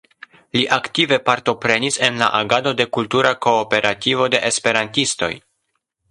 Li aktive partoprenis en la agado de Kultura Kooperativo de Esperantistoj.